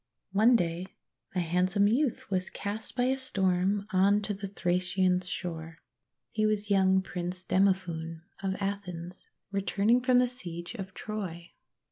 One day a handsome youth was cast by a storm on to the Thracian shore. He was young Prince Demophoon of Athens, returning from the siege of Troy.